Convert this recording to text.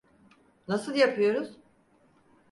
Nasıl yapıyoruz?